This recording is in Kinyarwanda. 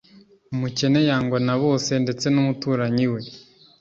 Umukene yangwa na bose ndetse n’umuturanyi we